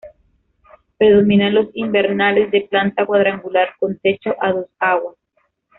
Predominan los invernales de planta cuadrangular con techo a dos aguas.